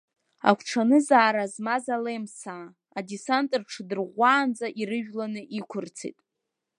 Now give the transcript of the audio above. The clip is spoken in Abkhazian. Агәҽанызаара змаз алемсаа, адесант рыҽдырӷәӷәаанӡа ирыжәланы иқәырцеит.